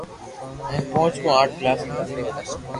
ھين پونچ مون آٺ ڪلاس ۾